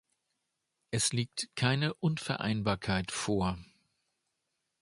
Es liegt keine Unvereinbarkeit vor.